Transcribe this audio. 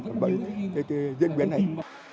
thì tôi diễn biến này